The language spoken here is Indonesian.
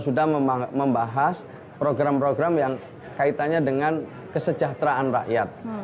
sudah membahas program program yang kaitannya dengan kesejahteraan rakyat